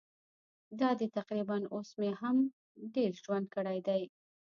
دا دی تقریباً اوس مې هم ډېر ژوند کړی دی.